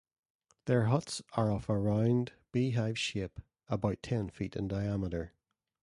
Their huts are of a round beehive shape, about ten feet in diameter.